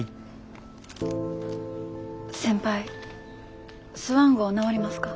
先輩スワン号直りますか？